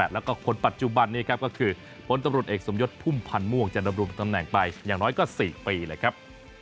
แล้วก็คนปัจจุบันนี้ครับก็คือพลตำรวจเอกสมยศพุ่มพันธ์ม่วงจะดำรงตำแหน่งไปอย่างน้อยก็๔ปีเลยครับ